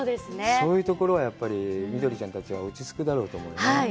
そういうところはやっぱりみどりちゃんたちは、落ちつくだろうと思いますね。